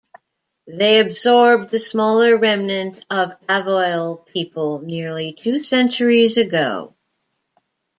They absorbed the smaller remnant of Avoyel people nearly two centuries ago.